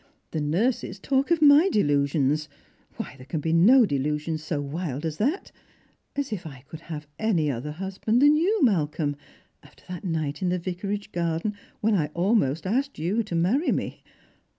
The nurses talk of viy delusions ; why, there can be no delusion so wild as thai ! As if I could have any other husband than you, Malcolm, after that night in the Vicarage garden when I almost asked you to marry me.